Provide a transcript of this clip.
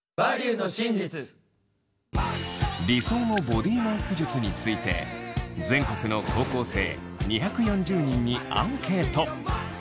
理想のボディーメイク術について全国の高校生２４０人にアンケート。